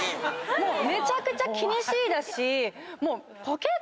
めちゃくちゃ気にしいだし。